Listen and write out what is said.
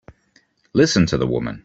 Listen to the woman!